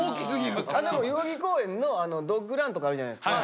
でも代々木公園のドッグランとかあるじゃないですか。